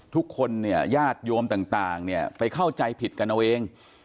ทุกคนเนี่ยญาติโยมต่างเนี่ยไปเข้าใจผิดกันเอาเอง